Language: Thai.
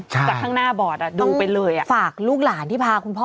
ใช่แต่ข้างหน้าบอร์ดอ่ะดูไปเลยอ่ะฝากลูกหลานที่พาคุณพ่อ